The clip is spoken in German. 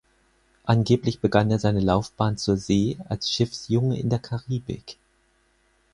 Angeblich begann er seine Laufbahn zur See als Schiffsjunge in der Karibik.